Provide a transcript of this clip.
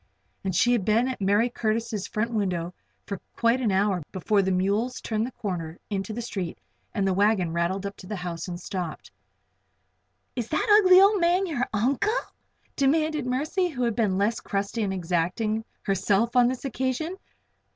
And she had been in Mercy Curtis' front window for quite an hour before the mules turned the corner into the street and the wagon rattled up to the house and stopped. "And is that ugly old man your uncle?" demanded Mercy, who had been less crusty and exacting herself on this occasion.